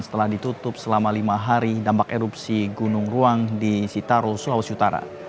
setelah ditutup selama lima hari dampak erupsi gunung ruang di citaru sulawesi utara